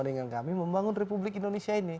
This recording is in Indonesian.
dengan kami membangun republik indonesia ini